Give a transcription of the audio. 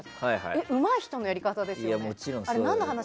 うまい人のやり方ですよね。